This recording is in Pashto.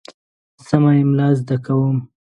زه سمه املا زده کوم.